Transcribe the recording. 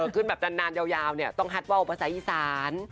ขึ้นแบบนานยาวต้องฮัดว่าอุปสรรค์อีสาน